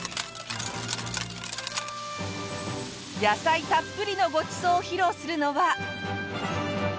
野菜たっぷりのごちそうを披露するのは。